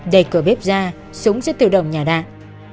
đẩy cửa bếp ra súng sẽ tự động nhả đạn